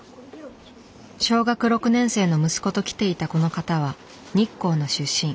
小学６年生の息子と来ていたこの方は日光の出身。